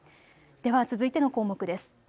では続いての項目です。